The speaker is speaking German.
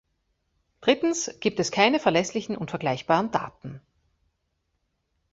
Drittens gibt es keine verlässlichen und vergleichbaren Daten.